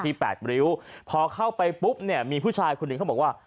แปดริ้วพอเข้าไปปุ๊บเนี่ยมีผู้ชายคนหนึ่งเขาบอกว่า